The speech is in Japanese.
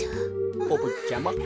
おぼっちゃま。